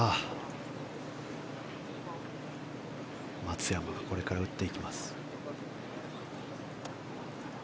松山がこれから打っていきます。